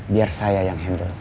biar saya yang handle